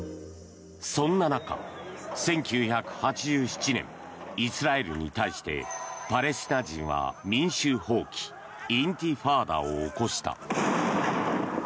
そんな中、１９８７年イスラエルに対してパレスチナ人は民衆蜂起インティファーダを起こした。